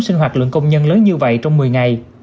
sinh hoạt lượng công nhân lớn như vậy trong một mươi ngày